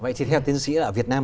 vậy thì theo tiến sĩ là việt nam